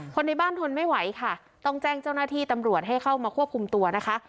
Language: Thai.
ในบ้านทนไม่ไหวค่ะต้องแจ้งเจ้าหน้าที่ตำรวจให้เข้ามาควบคุมตัวนะคะ